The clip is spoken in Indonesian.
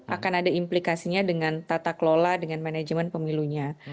akan ada implikasinya dengan tata kelola dengan manajemen pemilunya